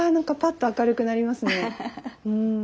うん。